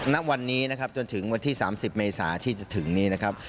ณวันนี้นะครับจนถึงวันที่๓๐เมษาที่จะถึงนี้นะครับ